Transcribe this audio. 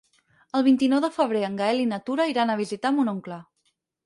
El vint-i-nou de febrer en Gaël i na Tura iran a visitar mon oncle.